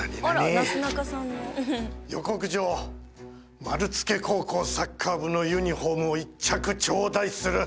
「予告状丸つけ高校サッカー部のユニフォームを１着頂戴する！